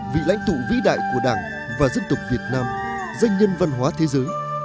vị lãnh tụ vĩ đại của đảng và dân tộc việt nam danh nhân văn hóa thế giới